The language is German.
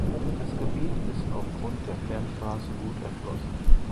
Das Gebiet ist aufgrund der Fernstraße gut erschlossen.